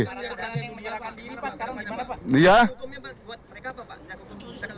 ini berarti menyerahkan diri sekarang bagaimana pak